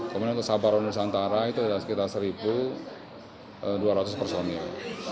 kemudian untuk sabar nusantara itu ada sekitar satu dua ratus personil